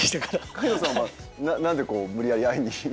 海堂さんは何で無理やり会いに？